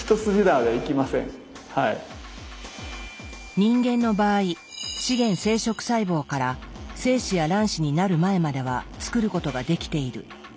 人間の場合始原生殖細胞から精子や卵子になる前までは作ることができている。